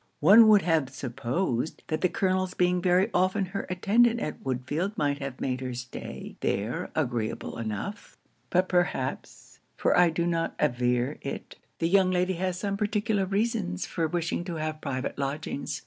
One would have supposed that the Colonel's being very often her attendant at Woodfield might have made her stay there agreeable enough; but perhaps (for I do not aver it) the young lady has some particular reasons for wishing to have private lodgings.